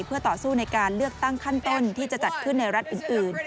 เพื่อต่อสู้ในการเลือกตั้งขั้นต้นที่จะจัดขึ้นในรัฐอื่น